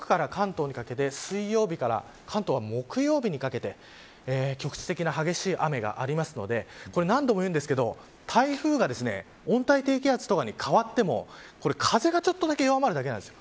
四国から関東にかけて水曜日から関東は、木曜日にかけて局地的な激しい雨があるので何度も言いますが台風が温帯低気圧とかに変わっても風がちょっとだけ弱まるだけなんです。